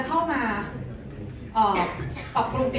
อ๋อแต่มีอีกอย่างนึงค่ะ